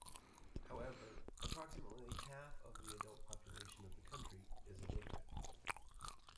However, approximately half of the adult population of the country is illiterate.